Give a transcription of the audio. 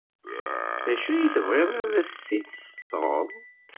D acu ay tebɣiḍ ad as-t-id-tesɣeḍ?